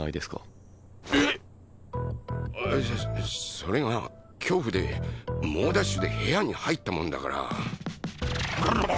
それが恐怖で猛ダッシュで部屋に入ったもんだから